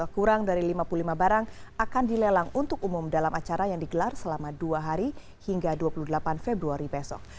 kurang dari lima puluh lima barang akan dilelang untuk umum dalam acara yang digelar selama dua hari hingga dua puluh delapan februari besok